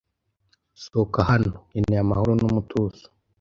Sohoka hano. Nkeneye amahoro n'umutuzo.